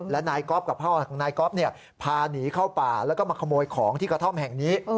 และนายก๊อฟกับพ่อของนายก๊อฟพาหนีเข้าป่าแล้วก็มาขโมยของที่กระท่อมแห่งนี้